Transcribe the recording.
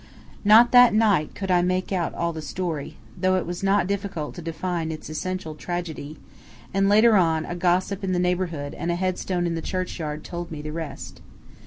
Not that night could I make out all the story, though it was not difficult to define its essential tragedy, and later on a gossip in the neighborhood and a headstone in the churchyard told me the rest.